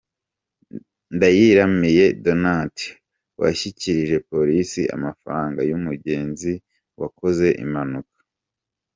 Ndayiramiye Donat washyikirije Polisi amafaranga y'umugenzi wakoze impanuka.